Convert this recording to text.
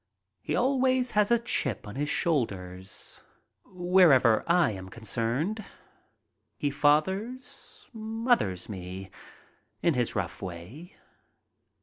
He always has a chip on his shoulders wherever I am concerned. He fathers, mothers me in his rough way.